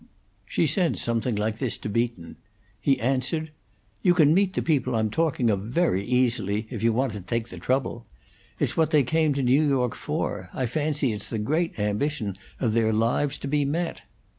She said something like this to Beaton. He answered: "You can meet the people I'm talking of very easily, if you want to take the trouble. It's what they came to New York for. I fancy it's the great ambition of their lives to be met."